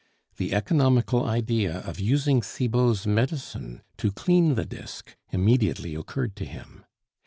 The economical idea of using Cibot's medicine to clean the disc immediately occurred to him.